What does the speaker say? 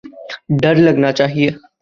ڈر لگنا چاہیے۔